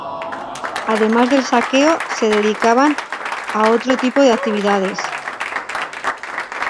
Además del saqueo, se dedicaban a otro tipo de actividades.